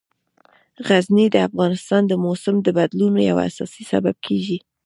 غزني د افغانستان د موسم د بدلون یو اساسي سبب کېږي.